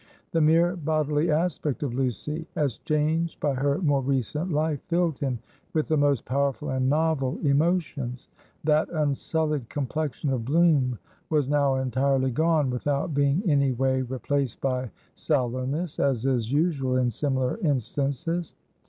The mere bodily aspect of Lucy, as changed by her more recent life, filled him with the most powerful and novel emotions. That unsullied complexion of bloom was now entirely gone, without being any way replaced by sallowness, as is usual in similar instances.